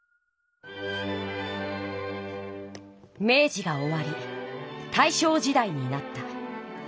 明治がおわり大正時代になった。